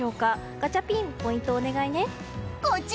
ガチャピン、ポイントをお願いね。